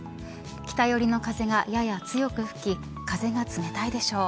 北寄りの風がやや強く吹き風が冷たいでしょう。